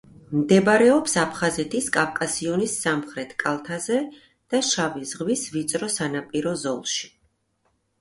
მდებარეობს აფხაზეთის კავკასიონის სამხრეთ კალთაზე და შავი ზღვის ვიწრო სანაპირო ზოლში.